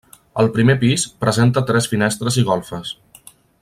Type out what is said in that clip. El primer pis presenta tres finestres i golfes.